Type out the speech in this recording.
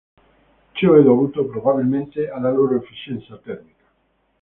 Ciò è dovuto probabilmente alla loro efficienza termica.